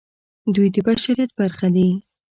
دوی د بشریت برخه دي.